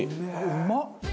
うまっ！